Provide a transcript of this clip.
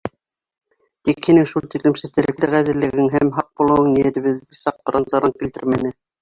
Тик һинең шул тиклем сетерекле ғәҙеллегең һәм һаҡ булыуың ниәтебеҙҙе саҡ пыран-заран килтермәне.